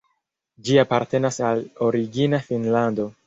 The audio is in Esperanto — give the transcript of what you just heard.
Ĝi apartenas al Origina Finnlando.